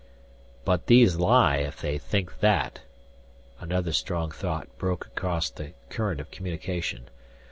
"But these lie if they think that." Another strong thought broke across the current of communication.